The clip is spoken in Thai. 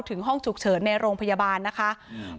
ถึงห้องฉุกเฉินในโรงพยาบาลนะคะอืม